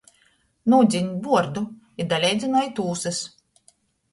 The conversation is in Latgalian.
Nūdzenit buordu i daleidzynojit ūsys!